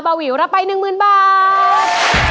เบาหิวราไป๑๐๐๐๐บาท